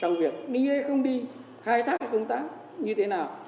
trong việc đi hay không đi khai thác hay công tác như thế nào